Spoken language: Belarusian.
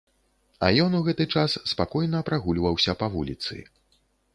А ён у гэты час спакойна прагульваўся па вуліцы.